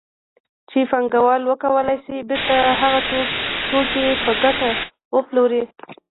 چې پانګوال وکولای شي بېرته هغه توکي په ګټه وپلوري